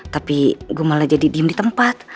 tapi gue malah jadi diem di tempat